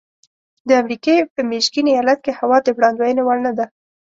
د امریکې په میشیګن ایالت کې هوا د وړاندوینې وړ نه ده.